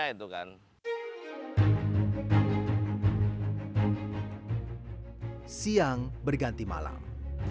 siang berganti malam